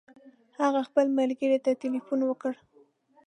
هغه خپل ملګري ته تلیفون وکړ.